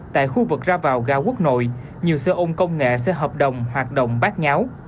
tại khu vực ra vào ga quốc nội nhiều xe ôn công nghệ xe hợp đồng hoạt động bác nháo